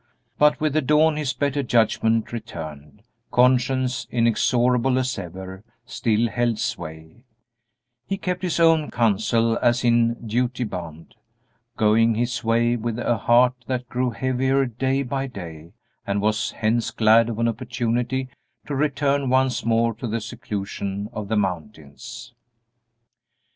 But with the dawn his better judgment returned; conscience, inexorable as ever, still held sway; he kept his own counsel as in duty bound, going his way with a heart that grew heavier day by day, and was hence glad of an opportunity to return once more to the seclusion of the mountains.